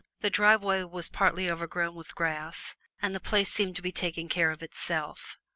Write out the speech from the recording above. The driveway was partly overgrown with grass, and the place seemed to be taking care of itself.